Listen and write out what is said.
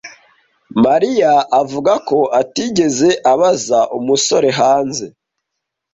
Mariya avuga ko atigeze abaza umusore hanze.